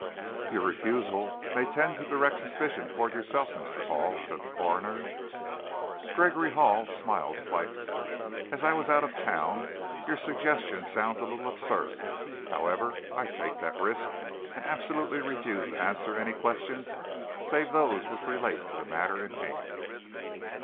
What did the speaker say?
"Your refusal may tend to direct suspicion toward yourself, Mr. Hall," said the coroner. Gregory Hall smiled slightly. "As I was out of town, your suggestion sounds a little absurd. However, I take that risk, and absolutely refuse to answer any questions save those which relate to the matter in hand."